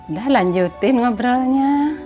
udah lanjutin ngobrolnya